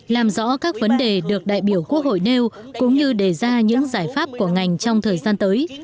làm rõ các vấn đề được đại biểu quốc hội nêu cũng như đề ra những giải pháp của ngành trong thời gian tới